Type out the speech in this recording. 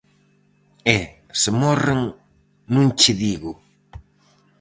E, se morren, non che digo!